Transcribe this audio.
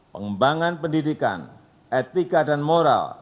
pengembangan pendidikan etika dan moral